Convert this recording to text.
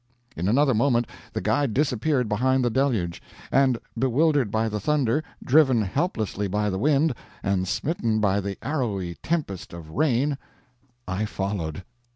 In another moment the guide disappeared behind the deluge, and, bewildered by the thunder, driven helplessly by the wind, and smitten by the arrowy tempest of rain, I followed.